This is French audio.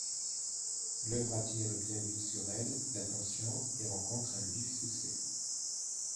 L'œuvre attire bien vite sur elle l'attention et rencontre un vif succès.